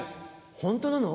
ホントなの？